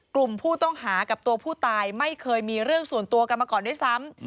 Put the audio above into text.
กลุ่มผู้ต้องหากับตัวผู้ตายไม่เคยมีเรื่องส่วนตัวกันมาก่อนด้วยซ้ำ